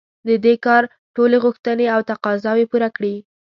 د دې کار ټولې غوښتنې او تقاضاوې پوره کړي.